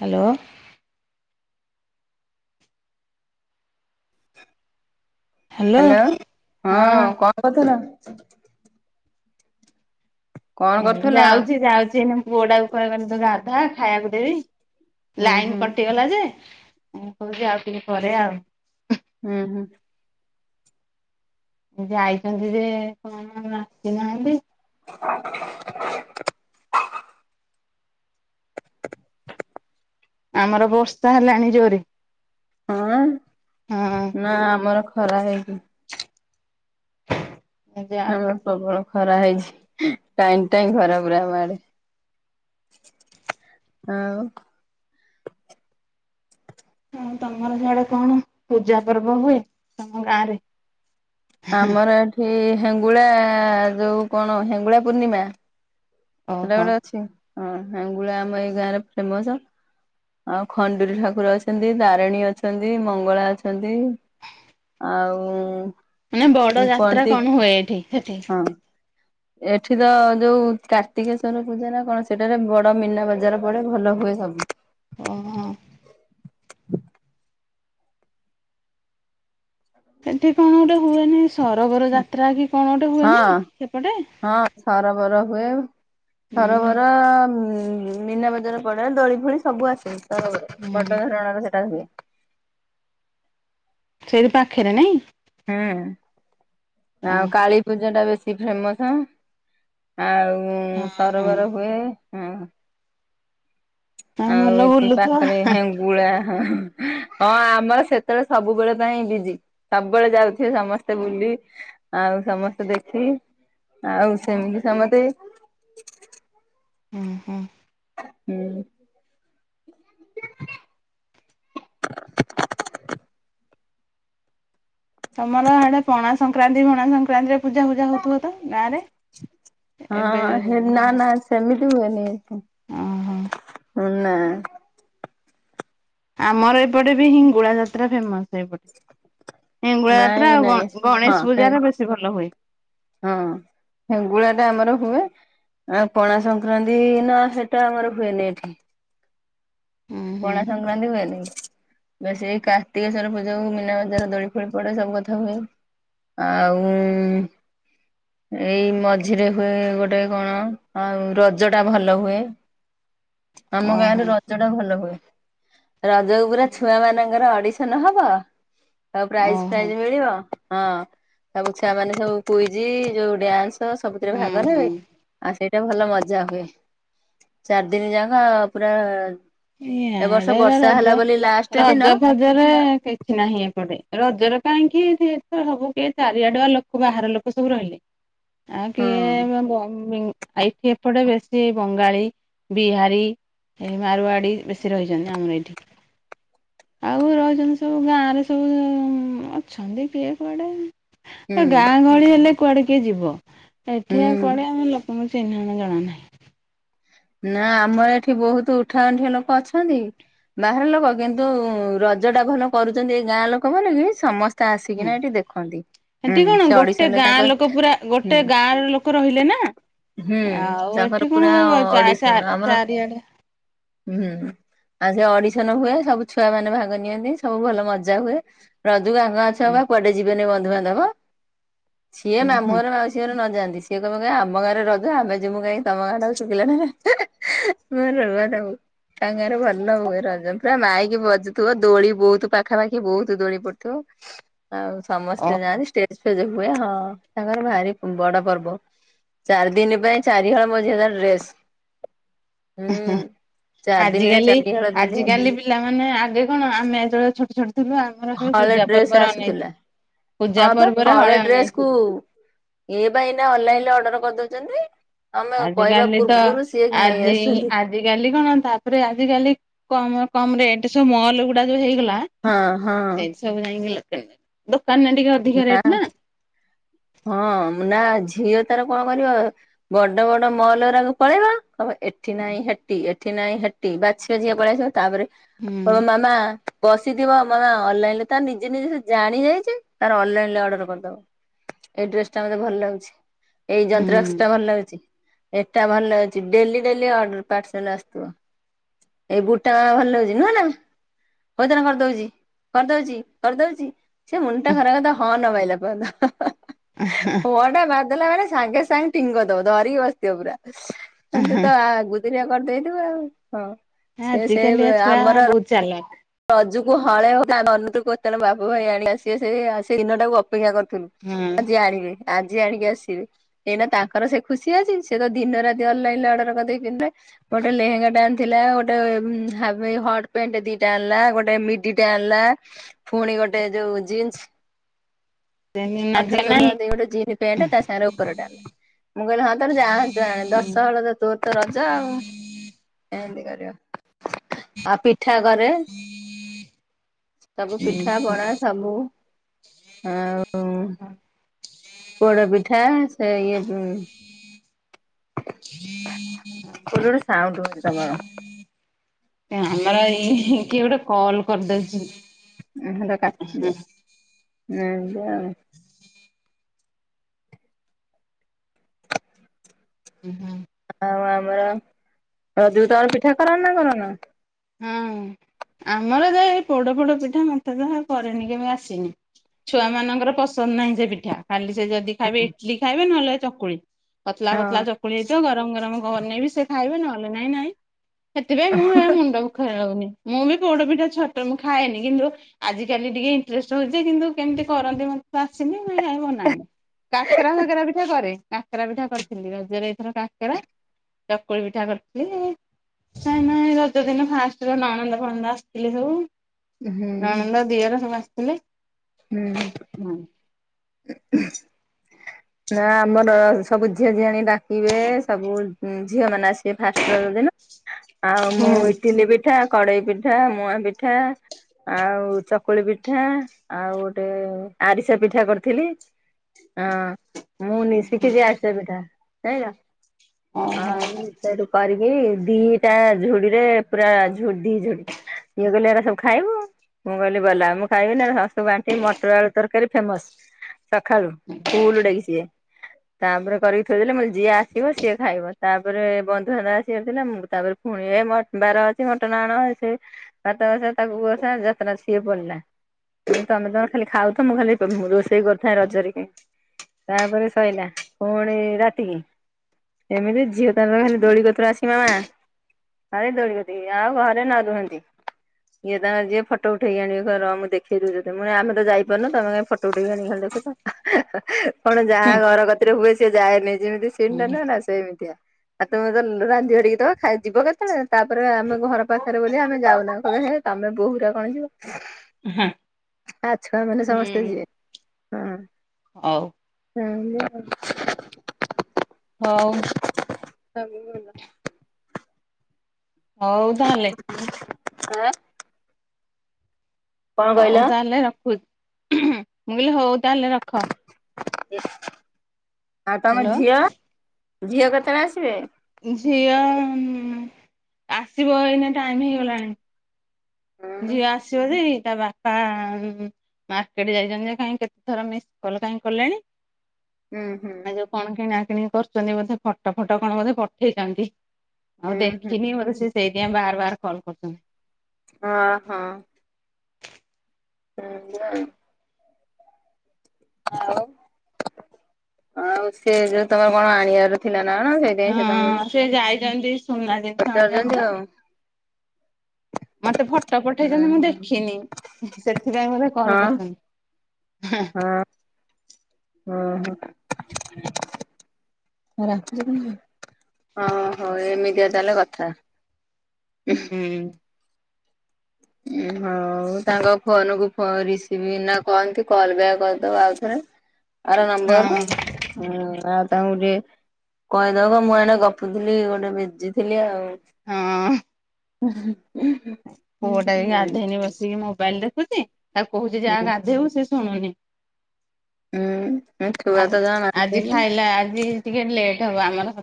Hello. Hello ହଁ କଣ କରୁଥିଲ? କଣ ହୁଁ କରୁଥିଲ? ଯାଉଛି ଯାଉଛି ପୁଅ ଟା କହିଲି ତୁ ଗାଧା ଖାଇବାକୁ ଦେବି। ହୁଁ ହୁଁ ଲାଇନ କଟିଗଲା ଯେ କହୁଛି ଆଉ ଟିକେ ପରେ ଆଉ। ହୁଁ ହୁଁ। ଯାଇଛନ୍ତି ଯେ କଣ ଆସିନାହାନ୍ତି। [inaudible] [inaudible] ଆମର ବସ୍ତା ହେଲାଣି ଜୋରେ। ହଁ ହଁ ନା ଆମର ଖରା ହେଇଛିି। ଯାହା ହଉ। ହଁ ପ୍ରବଳ ଖରା ହେଇଛି ଟାଇଁ ଟାଇଁ ଖରା ପୁରା ବାହାରେ। ଆଉ ହଁ ତମର ସିଆଡେ କଣ ପୂଜା ପର୍ବ ହୁଏ ତମ ଗାଁ ରେ? ଆମର ଏଠି ହେଙ୍ଗୁଳା ଯୋଉ କଣ ହେଙ୍ଗୁଳା ପୂର୍ଣ୍ଣିମା। ସେଟା ଓହୋ ଗୋଟେ ଅଛି, ହଁ ହେଙ୍ଗୁଳା ଆମ ଏଇ ଗାଁ ରେ ଫେମସ। ଆଉ ଖଣ୍ଡୁୁରୀ ଠାକୁର ଅଛନ୍ତି, ତାରିଣୀ ଅଛନ୍ତି, ମଙ୍ଗଳା ଅଛନ୍ତି। ଆଉ ମାନେ ବଡ ଯାତ୍ରା କୁହନ୍ତି କଣ ହୁଏ ଏଠି ସେଠି? ହଁ ଏଠି ତ ଯୋଉ କାର୍ତ୍ତିକେଶ୍ଵର ପୂଜା ନା କଣ ସେଟାରେ ବଡ ମୀନା ବଜାର ପଡେ ଭଲ ହୁଏ ସବୁ। ଓହୋ। ସେଠି କଣ ଗୋଟେ ହୁଏନି ସରୋବର ଯାତ୍ରା କି କଣ ଗୋଟେ ହୁଏନି ସେପଟେ? ସରୋବର ହୁଏ ହୁଁ ସରୋବର ଉଁ ମୀନା ବଜାର ପଡେ ଦୋଳି ଫୋଳି ସବୁ ଆସେ ତ ହୁଁ। ବଡ ଧରଣ ସେଟା ହୁଏ। ସେଇରି ପାଖରେ ନାଇଁ? ହୁଁ ଅ ଆଉ କାଳୀ ପୂଜା ଟା ବେଶୀ ଫେମସଁ। ଆଉ ଉଁ ହଁ ହଁ। ସରୋବର ହୁଏ ହଁ। ଆଉ ଭଲ ଏଠି ବୁଲୁଥିବ ପାଖରେ ହେଙ୍ଗ୍ ଗୁଳା ହଁ ଆମର ସେତେବେଳେ ସବୁବେଳେ ପାଇଁ ବିଜି। ସବୁବେଳେ ଯାଉଥିବେ ସମସ୍ତେ ବୁଲି ଆଉ ସମସ୍ତେ ଦେଖି। ଆଉ ସେମିତି ସମତେ ହୁଁ ହୁଁ ହୁଁ। ତମର ହାଡେ ପଣା ସଂକ୍ରାନ୍ତି ଭଣା ସଂକ୍ରାନ୍ତିରେ ପୂଜା ପୂଜା ହଉ ତୁହ ତ ଗାଁରେ ଏବେ ହଁ ହେ ଯୋଉ ନା ହଁ। ନା ସେମିତି ହୁଏନି ହୁଁ ହୁଁ ନା। ଆମର ଏପଟେ ବି ହିଙ୍ଗୁଳା ଯାତ୍ରା ଫେମ ସେଇପଟେ ଏଙ୍ଗୁଳା ଯାତ୍ରା ନାଇଁ ଆଉ ଗ ନାଇଁ ହଁ ଗଣେଶ ପୂଜାରେ ବେଶୀ ଭଲ ହୁଏ। ହଁ ହେଙ୍ଗୁଳା ଟା ଆମର ହୁଏ। ଆଁ ପଣା ସଂକ୍ରାନ୍ତି ନା ସେଟା ଆମର ହୁଏନି ଏଠି। ହୁଁ ହୁଁ ପଣା ସଂକ୍ରାନ୍ତି ହୁଏନି। ବାସ୍ ଏଇ କାର୍ତ୍ତିକେୟଶ୍ଵର ପୂଜାକୁ ମୀନା ବଜାର ଦୋଳି ଫୋଳି ପଡେ ସବୁ କଥା ହୁଏ। ଆଉ ଉଁ ଏଇ ମଝିରେ ହୁଏ ଗୋଟେ କଣ ଆଉ ରଜ ଟା ଭଲ ହୁଏ। [inaudible] ଆମ ଗାଁରେ ଓହୋ ରଜ ଟା ଭଲ ହୁଏ। ରଜକୁ ପୁରା ଛୁଆ ମାନଙ୍କର ଅଡିଶ୍ ଥନ ହବ ଆଉ ପ୍ରାଇଜ୍ ଓହୋ ଫ୍ରାଇଜ୍ ମିଳିବ। ହଁ ତବୁ ଛୁଆ ମାନେ ସବୁ କୁଇଜି ଯୋଉ ଡ୍ୟାନ୍ସ ସବୁଥିରେ ହୁଁ ଭାଗ ନେବେ। ହୁଁ। ଆ ସେଇଟା ଭଲ ମଜା ହୁଏ ଚାରି ଦିନି ଯାକ ଅ ପୁରା ଏ ବର୍ଷ ଏଁଡେ ଏରା ବର୍ଷା ରଜ ହେଲା ବୋଲି ଲାଷ୍ଟ ଦିନ ରଜ [unintelligible] ରଜରେ କିଛି ନାହିଁ ଏପଟେ ରଜର କାଇଁକି [unintelligible] ସବୁ କିଏ ଚାରି ଆଡୁଆ ଲୋ କୋ ବାହାର ଲୋକ ସବୁ ରହିଲେ ଆଉ ହଁ କିଏ [unintelligible] ଏଇଠି ଏପଟେ ବେଶ୍ ତି ବଙ୍ଗାଳୀ ବିହାରୀ ଏଁ ମାରୱାଡ଼ି ବେଶୀ ରହିଚନ୍ତି ଆମର ଏଠି। ଆଉ ରହିଚନ୍ତି ସବୁ ଗାଁରେ ସବୁ ଉଁ [unintelligible] ଅଛନ୍ତି କିଏ କୁଆଡେ। ହୁଁ ହେ ଗାଁ ଗହଳି ହେଲେ କୁଆଡେ କିଏ ଯିବ ଏଠି ଆଉ ହୁଁ। କୁଆଡେ ଆମେ ଲୋ ମୁଁ ଚିହ୍ନିନୁ ଜଣା ନାହିଁ। ନା ଆମର ଏଠି ବହୁତୁ ଉଠା ଅଣ୍ଠିଆ ଲୋକ ଅଛନ୍ତି। ବାହାର ଲୋକ କିନ୍ତୁ ରଜ ଟା ଭଲ କରୁଛନ୍ତି ଏ ଗାଁ ଲୋକ ମାନେ ବି ସମ ତ ଆସିକିନା ଏଠି ଦେଖନ୍ତି। ହୁଁ ହେଟି କଣ ସେ ଅଡିସନ ଗୋଟେ ରେ ତାଙ୍କ ଗାଁ ଲୋକ ପୁରା ହୁଁ ଗୋଟେ ଗାଁ ର ଲୋକ ରହିଲେ ନା। ହୁଁ ଆଉ ଏଠି ତାଙ୍କର କଣ ପୁରା କହିବ ଚା ଚା ଅଡିଶନ ଆମର ଚାରିଆଡେ ହୁଁ। ଆଉ ସେ ଅଡିସନ ହୁଏ ସବୁ ଛୁଆ ମାନେ ଭାଗ ନିଅନ୍ତି ସବୁ ଭଲ ମଜା ହୁଏ। ରଜକୁ ଆ [unintelligible] ନୂଆ ଅଛ ହୁଁ ବା କୁଆଡେ ଯିବେନି ବନ୍ଧୁବାନ୍ଧବ ସିଏ ମାମୁଁ ହୁଁ ଘର ମାଉସ୍ ସି ଅରେ ନ ଯାଆନ୍ତି ସିଏ କହିବ କି ଆମ ଗାଁରେ ରଜ ଆମେ ଯିବୁ କାଇଁ ତମ ଗାଁଟାକୁ ଶୁଖିଲାଟାରେ। [unintelligible] ତା ଗାଁରେ ଭଲ ହୁଏ ରଜ ପୁରା ମାଇକି ବଜୁଥିବ ଦୋଳି ବହୁତୁ ପାଖାପାଖି ବହୁତୁ ଦୋଳି ପଡୁଥିବ। ହ ଆଉ ସମସ୍ତେ ଯାଆନ୍ତି ଷ୍ଟେଜ୍ ଫେଜ୍ ହୁଏ ହଁ ତାଙ୍କର ଭାରି ବଡ ପର୍ବ। ଚାରି ଦିନ ପାଇଁ ଚାରିହଳ [unintelligible] ମଝିଆ ଡ୍ରେସ ହୁଁ ଚାରି ଦିନରେ ଆଜିକାଲି ଚାରିହଳ ପିନ୍ଧେ ଆଜିକାଲି ପିଲାମାନେେ ଆଗେ କଣ ଆମେ ଏତେବେଳେ ଛୋଟ ଛୋଟ ଥିଲୁ ଆମେ ହଳେ ଡ୍ରେସ ଆସୁଥିଲା ପୂଜା ହଁ ବା ପର୍ବରେ ହଳେ ଡ୍ରେସ୍ କୁ ଅନେଇଥିଲୁ। ଏ ପାଇଁ ଏଟ ଅନଲାଇନରେ ଅର୍ଡର କରିଦଉଛନ୍ତି ଆମେ କହିବା ପୂର୍ବରୁ ସିଏ ନେଇ ଆସୁଛନ୍ତି। ଆଜ କାଲି କଣ ତାପରେ ଆଜିକାଲି କମ କମ ରେଟ ସବୁ ମଲ ଗୁଡା ଯୋଉ ହେଇଗଲା ହଁ ହଁ। ସେଇଠି ସବୁ ଯାଇକି ଲୋକ ଦୋକାନ ନ ଟିକ [unintelligible] ନାଁ ହଁ ନା ଝିଅ ତାର କଣ କରିବ ବଡ ବଡ ମଲକୁ ପଳେଇବା ହଁ ଏଠି ନାଇଁ ହାଟି ଏଠି ନାଇଁ ହାଟି ବାଛିବା ଯଝି ପଳେଇ ତାପରେ ହୁଁ ହଁ ମାମା ବସିଥିବ ଅନଲାଇନ ରେ ତ ନିଜେ ନିଜେ ସେ ଜାଣି ଯାଇଛି ତାର ଅନଲାଇନ ରେ ଅର୍ଡର କରିଦବ ଏଇ ଡ୍ରେସ ଟା ମତେ ଭଲ ଲାଗୁଛି ଏଇ ଯନ୍ତ୍ରା ହୁଁ ଏଟା ଭଲ ରଉଛି ଏଟା ଭଲ ଅଉଛି ଡେଲି ଡେଲି ପାର୍ଲସ ଆସିଵ। ଏଇ ବୁଟା ଭଲ ହଉଛି ନୁହନା ଭୋଜନ କରିଦଉଛି କରିଦଉଛି କରିଦଉଛି ସେ ମୁଣ୍ଡ ଟା ଖରା କଥା ହଁ ନ ପାଇଲା ପର୍ଯ୍ୟନ୍ତ ଉଁ ହୁଁ। କଲ୍ ଟା ମାରିଦେଲା ମାନେ ସାଙ୍ଗେ ସାଙ୍ଗେ ଟିଙ୍ଗ କରିଦବ ଧରିକି ବସିଥିବ ପୁରା କିନ୍ତୁ ତା କରିଦେଇଥିବ ଆଉ ହଁ ସେ ସେ ବେ ଆମର ଚାଲ ରଜୁକୁ ହଳେ ହଉନା ଆମେ ଅନଉଥିଲୁ କେତେବେଳେ ବାପ ଭାଇ ଆଣିକି ଆସିବେ ସେ ସେ ଦିନଟାକୁ ଅପେକ୍ଷା କରିଥିଲୁ। ହଁ ଆଜି ଆଣିବେ ଆଜି ଆଣିକି ଆସିବେ। ଏଇନା ତାଙ୍କର ସେ ଖୁସି ଅଛି ସେତ ଦିନ ରାତି ଅନଲାଇନ ରେ ଅର୍ଡର କରିଦେଇ ପିନ୍ଧିଲେ। ଗୋଟେ ଲେହେଙ୍ଗା ଟେ ଆଣିଥିଲା ଗୋଟେ ଉଁ ହାପ ହଟ ପ୍ୟାଣ୍ଟ ଦି ଟା ଆଣିଲା ଗୋଟେ ମିଡିଟେ ଆଣିଲା ଫୁଣି ଗୋଟେ ଯୋଉ ଜିନ୍ସ ନାଜି ଅଠରଶହ ଟଙ୍କା ନାହିଁ ଦେଇ ଗୋଟେ ଜିନ ପ୍ୟାଣ୍ଟ ତା ସାଙ୍ଗରେ ଉପର ଟା। ମୁଁ କହିଲି ହଁ ତୋର ଯାହା ଆଣୁଛୁ ଆଣେ ଦଶହଳ ତ ତୋର ତ ରଜ ଆଉ। ଏନ୍ତି କରିବ। ଆଉ ପିଠା କରେ ସବୁ ପିଠା, ବରା ସବୁ ଆଉ ହଁ। ପୋଡପିଠା ସେ ଇଏ ଉଁ [inaudible] ଗୋଟେ ସାଉଣ୍ଡ ହଉଛି ତମର ଏ ଆମର ଇ ହିଁ କିଏ ଗୋଟେ କଲ୍ କରିଦଉଛି। ଉଁ ହୁଁ ସେଇଟା କାଟିଦିଅ, ଏମିତି ଆଉ ହୁଁ ହୁଁ। ଆଉ ଆମର ରଜୁକୁ ତମର ପିଠା କରନା କରୁନ? ହୁଁ ଆମର ତ ଏଇ ପୋଡ ଫୋଡ ପିଠା ମତେ ତ କରେନି କେବେ ଆସିନି ଛୁଆମାନଙ୍କର ପସନ୍ଦ ନାହିଁ ସେ ପିଠା ଖାଲି ସେ ଯଦି ଖାଇବେ ଇଟଲି ଖାଇବେ ନହେଲେ ଏଇ ଚକୁଳି ପତଲା ପତଲା ହଁ। ଚ କୁଳି ହେଇଥିବ ଗରମ ଗରମ ବନେଇବି ସେ ଖାଇବେ ନହେଲେ ନାଇଁ ନାଇଁ ସେଥିପାଇଁ ମୁଁ ହେ ମୁଣ୍ଡ ଖେଳଉନି ମୁଁ ବି ପୋଡ ପିଠା ଛୋଟ ମୁଁ ଖାଏନି କିନ୍ତୁ ଆଜିକାଲି ଟିକେ ଇଣ୍ଟରେଷ୍ଟ୍ ହଉଛି କିନ୍ତୁ କେମିତି କରନ୍ତି ମତେ ତ ଆସିନି ମୁଁ ହେଇ ବନାଏନି। କାକେରା ଫାକେରା ପିଠା କରେ। କାକେରା ପିଠା କରିଥିଲି ରଜରେ ଏଇଥର କାକେରା, ଚକୁଳି ପିଠା କରିଥିଲି। ନାଇଁ ନାଇଁ ରଜ ଦିନ ଫାଷ୍ଟ ରେ ନଣନ୍ଦ ଫଣନ୍ଦ ଆସିଥିଲେ ସବୁ ହୁଁ ନଣନ୍ଦ, ଦିଅର ସବୁ ଆସିଥିଲେ। ହୁଁ। ହୁଁ। ନା ଆମର ସବୁ ଝିଅ ଝିଆଣି ଡାକିବେ ସବୁ ଝିଅ ମାନେ ଆସିବେ ଫାଷ୍ଟ ରଜ ଦିନ ଆଉ ମୁଁ ଇଟିଲି ବି ପିଠା କଡେଇପିଠା, ମୁଆଁପିଠା ଆଉ ଚକୁଳି ପିଠା ଆଉ ଗୋଟେ ଆରିସା ପିଠା କରିଥିଲି। ହଁ ମୁଁ ନିଶିଖିଛି ଆରିସା ପିଠା ଯାଇଁଲ ଓହୋ ଆଉ ସେଇଠୁ କରିକି ଦିଟା ଝୁଡିରେ ପୁରା ଝୁଡି ଝୁଡି ଇଏ କହିଲେ ଏଗୁରା ସବୁ ଖାଇବୁ ମୁଁ କହିଲି ଗଲା ମୁଁ ଖାଇବି ନହେଲେ ସମସ୍ତଙ୍କୁ ବାଣ୍ଟିବି ମଟର ଆଳୁ ତରକାରୀ ଫେମସ। ସକାଳୁ ଫୁଲଡାକି ସିଏ। ତାପରେ କରିକି ଥୋଇଦେଲି ମୁଁ କହିଲି ଯିଏ ଆସିବ ସିଏ ଖାଇବ ତାପରେ ବନ୍ଧୁବାନ୍ଧବ ଆସିବାରଥିଲା ମୁଁ ତାପରେ ପୁଣି ଏ ବାର ଅଛି ମଟନ୍ ଆଣ ଇଏ ସିଏ ସାତ ମାସ ତାକୁ ବସା ଯତ୍ନ ସିଏ ପଡିଲା। ମୁଁ ତମେ ତମେ ଖାଲି ଖାଉଥ ମୁଁ ଖାଲି ରୋଷେଇ କରୁଥାଏ ରଜରେ କି ତାପରେ ସଇଲା ପୁଣି ରାତି କି ଏମିତି ଝିଅ ତାର ଖାଲି ଦୋଳି କତିରୁ ଆସି ମାମା ତାପରେ ଦୋଳି କତିକି ଆଉ ଘରେ ନ ରୁହନ୍ତି। ଇଏ ତାଙ୍କର ଯିଏ ଫଟ ଉଠେଇକି ଆଣିବେ କହିବେ ର ମୁଁ ଦେଖେଇଦଉଛି ତତେ ମୁଁ କହିଲି ଆମେ ତ ଯାଇପାରୁନୁ ତମେ କାଇଁ ଫଟୋ ଉଠେଇକି ଆଣିକ ଖାଲି ଦେଖଉଛ। କଣ ଯାହା ହୁଁ ଘର କତିରେ ହୁଏ ସିଏ ଯାଏନି ଯେମିତି ସିନ୍ ଟା ହୁଁ ନୁହେଁ ନା ସେମତିଆ। ଆଉ ତୁମେ ତ ରାନ୍ଧି ବାଢିକି ଦବ ଖା ଯିବ କେତେବେଳେ ତାପରେ ଆମେ ଘର ପାଖରେ ବୋଲି ଆମେ ଯାଉନା କହିବେ ହେ ତମେ ବୋହୁ ଗୁରା କଣ ଯିବ। ହୁଁ। ଛୁଆ ମାନେ ସମସ୍ତେ ଯିବେ। ହଉ। ହ [unintelligible] ହଉ। ସବଲା [unintelligible] ହଉ ତାହେଲେ। ଆଁ। [unintelligible] କଣ କହିଲ? ହଉ ତାହେଲେ ରଖୁ ମୁଁ କହିଲି ହଉ ତାହେଲେ ରଖ। ଆଉ ତମ ହ୍ୟାଲୋ ଝିଅ ଝିଅ କେତେବେଳେ ଆସିବେ? ଝିଅ ଆସିବ ଏଇନା ଟାଇମ ହେଇଗଲାଣି। ହୁଁ ଝିଅ ଆସିବ ଯେ ତା ବାପା ମାର୍କେଟ ଯାଇଛନ୍ତି ଯେ କାଇଁ କେତେ ଥର ମିସ୍ କଲ କାହିଁ କଲେଣି। ହୁଁ ହୁଁ। ଆ ଯୋଉ କଣ କିଣା କିଣି କରୁଛନ୍ତି ବୋଧେ ଫୋଟ ଫଟୋ କଣ ବୋଧେ ପଠେଇଛନ୍ତି। ଆଉ ହୁଁ ଦେଖିନି ମୋତେ ସ ସେଇଥିପାଇଁ ବାର ବାର କଲ୍ କରୁଛନ୍ତି। ହଁ ହଁ। ହୁଁ। [unintelligible] ଆଉ ଆଉ ସେ ଯୋଉ ତମର କଣ ଆଣିବାର ଥିଲା ନା ସେ ସେ ତମକୁ ହଁ ସେ ଯାଇଛନ୍ତି ସୁନା ଜିନିଷ ଆଣିବାକୁ ପଚାରୁଛନ୍ତି ତ ଆଉ। ମତେ ଫଟୋ ଉଁ ପଠେଇଛନ୍ତି ମୁଁ ହୁଁ ଦେଖିନି ସେଥିପାଇଁ ମୋତେ କଲ କରିୁଛନ୍ତି। ହଁ। ଓହୋ। ଓହୋ ଏମିତିଆ ତାହେଲେ କଥା। ହୁଁ। ଉ ହଉ ତାଙ୍କ ଫୋନକୁ ରିସିଭ ନା କହନ୍ତି କଲ ବ୍ୟାକ୍ କରିଦବା ଆଉ ଥରେ। ଆର ନମ୍ବରରୁ। ହଁ ହୁଁ ଆଉ ତାଙ୍କୁ ଟିକେ କହିଦବ ମୁଁ ଏଣେ ଗପୁଥିଲି ଗୋଟେ ବିଜିଥିଲି ଆଉ। ହଁ। ହଁ। ପୁଅ ଟାବି ଗାଧେଇନି ବସିକି ମୋବାଇଲ ଦେଖୁଛି ତାକୁ କହୁଛି ହୁଁ ଯାହା ଗାଧେଇବୁ ସେ ଶୁଣୁନି ହୁଁ ଛୁଆ ତ ଖାଇ ଜମା ଆଜି ମାନୁଛନ୍ତି ଖାଇଲା ଆଜି ଟିକେ ଲେଟ୍ ହବ ଆମର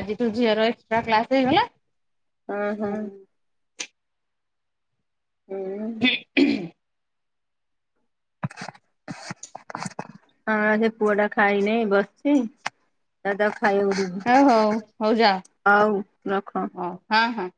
ଆଜିଠୁ ଝିଅର ଏକ୍ସଟ୍ରା କ୍ଲାସ୍ ହେଇଗଲା। ହୁଁ ଓ ହୁଁ। ହୁଁ। ହଁ ସେ ପୁଅଟା ଖାଇନି ବସିଛି ଯାଉଚି ତାକୁ ଖାଇବାକୁ ଦେବି। ହ ହଉ ହଉ ଯା ହଉ ରଖ। ହ ହଁ ହଁ।